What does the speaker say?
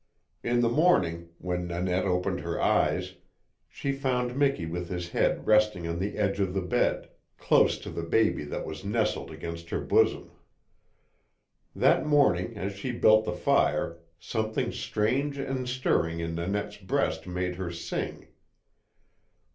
In the morning, when Nanette opened her eyes, she found Miki with his head resting on the edge of the bed, close to the baby that was nestled against her bosom. That morning, as she built the fire, something strange and stirring in Nanette's breast made her sing.